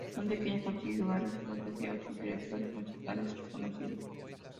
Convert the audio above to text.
Razón de que ella consiguió varias ofertas de otros directores musicales reconocidos.